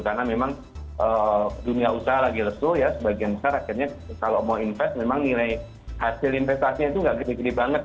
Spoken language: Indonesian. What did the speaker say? karena memang dunia usaha lagi lesu ya sebagian besar akhirnya kalau mau invest memang nilai hasil investasinya itu nggak gede gede banget